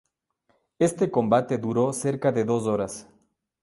Este combate duró cerca de dos horas.